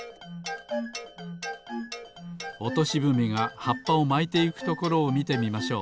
オトシブミがはっぱをまいていくところをみてみましょう。